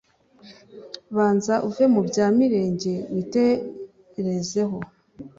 banza uve mubya mirenge wi tereze ho